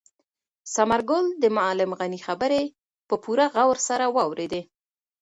ثمرګل د معلم غني خبرې په پوره غور سره واورېدې.